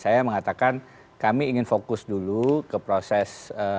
saya mengatakan kami ingin fokus dulu ke proses